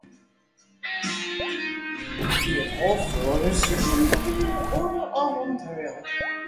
He is also a recipient of the Order of Ontario.